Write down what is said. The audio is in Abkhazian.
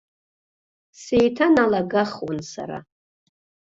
Сеиҭаналагахуан сара.